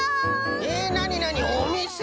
えっなになにおみせ？